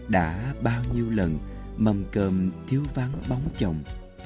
đã bao nhiêu lần mầm cơm thiếu vắng bóng trồng